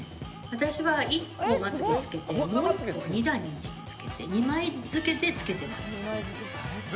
私は１個まつ毛をつけてもう１個、２段にしてつけて２枚付けで付けてます。